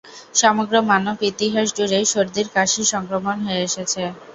সমগ্র মানব ইতিহাস জুড়েই সর্দি-কাশির সংক্রমণ হয়ে এসেছে।